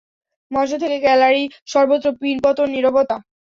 মঞ্চ থেকে গ্যালারী-সর্বত্র পিনপতন নীরবতা।